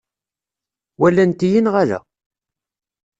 Walant-iyi neɣ ala?